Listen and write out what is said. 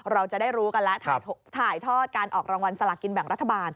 เราจะได้รู้กันแล้วถ่ายทอดการออกรางวัลสลากินแบ่งรัฐบาล